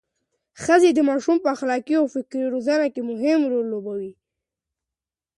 ښځې د ماشومانو په اخلاقي او فکري روزنه کې مهم رول لوبوي.